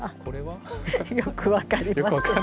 よく分かりません。